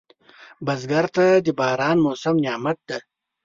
بزګر ته د باران موسم نعمت دی